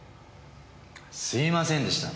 すいませんでした。